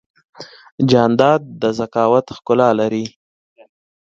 جانداد د ذکاوت ښکلا لري.